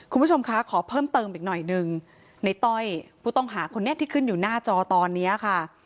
คุณผู้ชมคะขอเพิ่มเติมอีกหน่อยหนึ่งในต้อยผู้ต้องหาคนนี้ที่ขึ้นอยู่หน้าจอตอนนี้ค่ะ